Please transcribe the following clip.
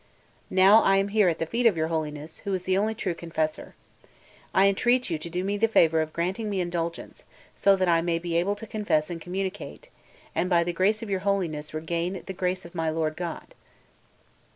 Now I am here at the feet of your Holiness, who is the only true confessor. I entreat you to do me the favour of granting me indulgence, so that I may be able to confess and communicate, and by the grace of your Holiness regain the grace of my Lord God."